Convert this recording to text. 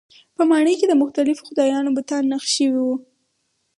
په ماڼۍ کې د مختلفو خدایانو بتان نقش شوي وو.